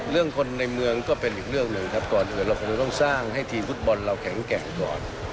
คนในเมืองก็เป็นอีกเรื่องหนึ่งครับก่อนอื่นเราคงจะต้องสร้างให้ทีมฟุตบอลเราแข็งแกร่งก่อน